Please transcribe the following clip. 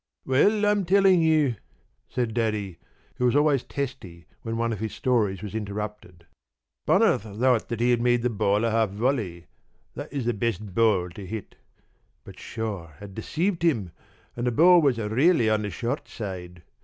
p> "Well, I'm telling you!" said Daddy, who was always testy when one of his stories was interrupted. "Bonner thought he had made the ball a half volley that is the best ball to hit but Shaw had deceived him and the ball was really on the short side.